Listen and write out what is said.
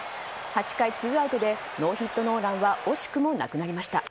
８回ツーアウトでノーヒットノーランは惜しくもなくなりました。